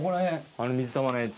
あの水玉のやつ。